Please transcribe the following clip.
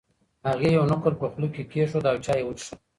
هغې یو نقل په خوله کې کېښود او چای یې وڅښل.